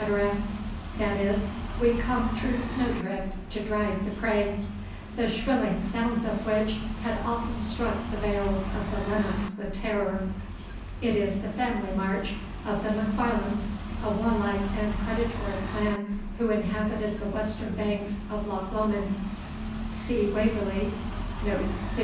(that is, We come through snow drift to drive the prey), the shrilling sounds of which had often struck the vales of the Lennox with terror. [It is the family march of the M'Farlanes, a warlike and predatory clan, who inhabited the western banks of Loch Lomond. See WAVERLY, Note XV.